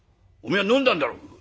おめえが飲んだんだろう？」。